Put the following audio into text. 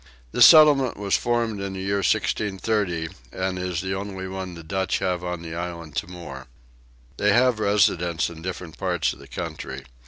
This settlement was formed in the year 1630 and is the only one the Dutch have on the island Timor. They have residents in different parts of the country.